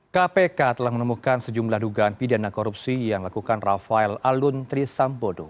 kpk telah menemukan sejumlah dugaan pidana korupsi yang dilakukan rafael alun trisambodo